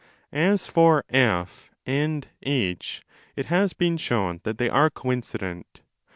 As for F and H, it has been shown that they are coincident.